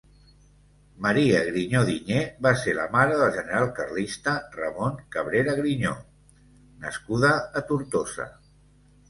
María Griñó Diñé va ser la mare del general carlista Ramón Cabrera Griñó, nascuda a Tortosa.